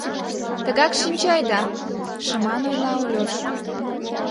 — Тыгак шинче айда, — шыман ойла Ольош.